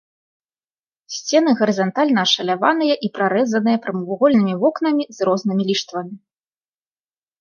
Сцены гарызантальна ашаляваныя і прарэзаныя прамавугольнымі вокнамі з разнымі ліштвамі.